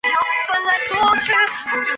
有的饿鬼则可能会保留前世的形象。